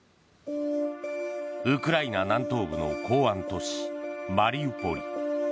ウクライナ南東部の港湾都市マリウポリ。